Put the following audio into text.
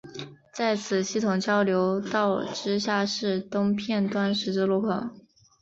在此系统交流道之下是东片端十字路口。